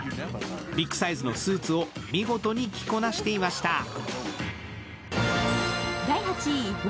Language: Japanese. ビッグサイズのスーツを見事に着こなしていました。